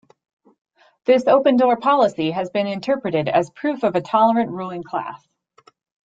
This open-door policy has been interpreted as proof of a tolerant ruling class.